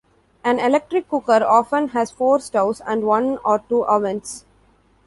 An electric cooker often has four stoves and one or two ovens.